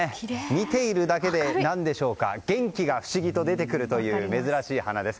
見ているだけで元気が不思議と出てくるという珍しい花です。